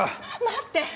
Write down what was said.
待って！